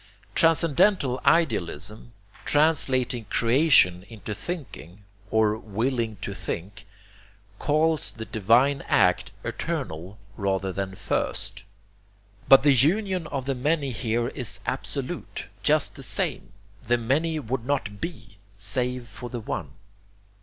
Transcendental Idealism, translating 'creation' into 'thinking' (or 'willing to' think') calls the divine act 'eternal' rather than 'first'; but the union of the many here is absolute, just the same the many would not BE, save for the One.